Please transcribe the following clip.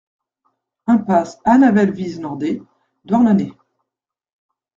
Impasse An Avel Viz Nordet, Douarnenez